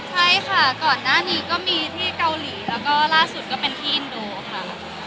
ใช่ค่ะก่อนหน้านี้ก็มีที่เกาหลีแล้วก็ล่าสุดก็เป็นที่อินโดค่ะ